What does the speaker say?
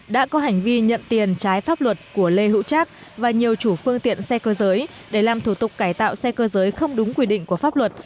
đã có hành vi nhận tiền trái pháp luật của lê hữu trác và nhiều chủ phương tiện xe cơ giới để làm thủ tục cải tạo xe cơ giới không đúng quy định của pháp luật